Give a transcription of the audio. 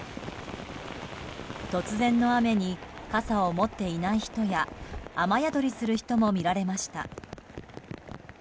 突然の雨に傘を持っていない人や雨宿りする人も見られました。